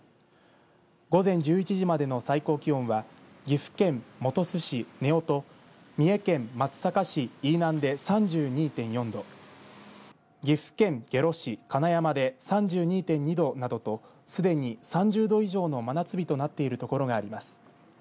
午前１１時までの最高気温は岐阜県本巣市根尾と三重県松阪市飯南で３２．４度岐阜県下呂市金山で３２．２度などとすでに３０度以上の真夏日となっているところがあります。